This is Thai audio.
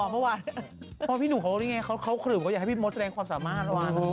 เพราะพี่หนูเขาก็อยากให้พี่มดแสดงความสามารถ